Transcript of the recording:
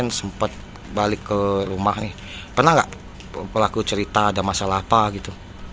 nah waktu suami ditangkap rasa kita reaksi kita apa sih